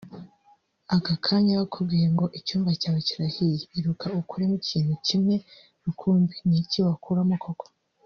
Aka kanya bakubwiye ngo icyumba cyawe kirahiye iruka ukuremo ikintu kimwe rukumbi ni iki wakuramo koko